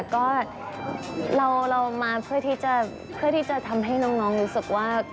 ก็เรามาเพื่อที่จะทำให้น้องรู้สึกว่า